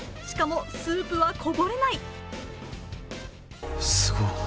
しかも、スープはこぼれない。